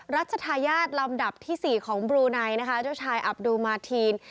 รัชทายาทลำดับที่๔ของบลูไนนะคะเจ้าชายอับดูมาทีน